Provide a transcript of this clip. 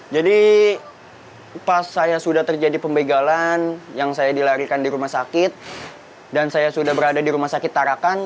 jadi pas saya sudah terjadi pembegalan yang saya dilarikan di rumah sakit dan saya sudah berada di rumah sakit tarakan